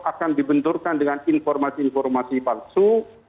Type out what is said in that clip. akan dibenturkan dengan informasi informasi palsu